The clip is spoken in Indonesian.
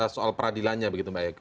soal peradilannya begitu mbak eko